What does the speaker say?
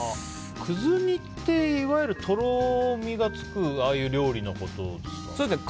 くず煮っていわゆるとろみがつくああいう料理のことですか？